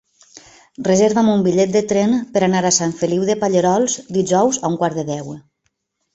Reserva'm un bitllet de tren per anar a Sant Feliu de Pallerols dijous a un quart de deu.